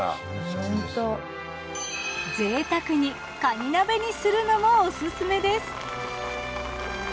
ぜいたくにカニ鍋にするのもオススメです！